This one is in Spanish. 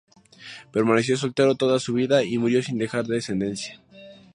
Permaneció soltero toda su vida y murió sin dejar descendencia.